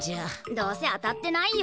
どうせ当たってないよ。